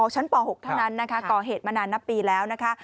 ชั้นป๖เท่านั้นนะคะก่อเหตุมานานนับปีแล้วนะคะ